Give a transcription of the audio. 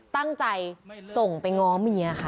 ตั้งใจส่งไปง้อเมียค่ะ